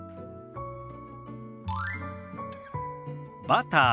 「バター」。